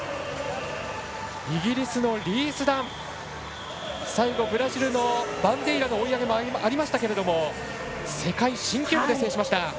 イギリスのリース・ダン最後、ブラジルのバンデイラの追い上げもありましたけれども世界新記録で制しました。